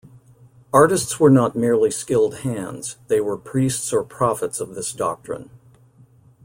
Artists were not merely skilled hands; they were priests or prophets of this doctrine.